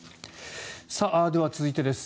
では、続いてです。